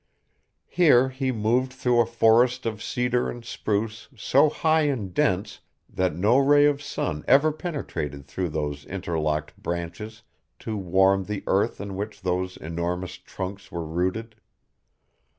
Here he moved through a forest of cedar and spruce so high and dense that no ray of sun ever penetrated through those interlocked branches to warm the earth in which those enormous trunks were rooted.